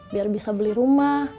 biar bisa beli rumah